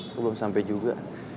belum sampai juga